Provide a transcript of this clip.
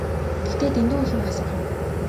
Гэхдээ дэндүү их юм асуух юм.